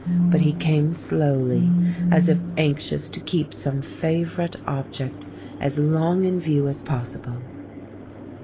But he came slowly, as if anxious to keep some favourite object as long in view as possible!